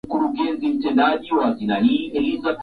uzuru kwanza nataka hiyo wote ijiuzuru tunataka tume huru